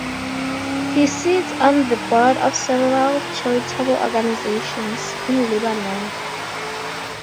He sits on the board of several charitable organizations in Lebanon.